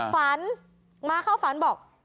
ฝันมาเข้าฝันบอก